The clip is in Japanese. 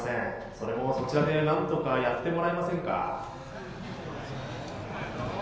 それもそちらでなんとかやってもらえませんか？」。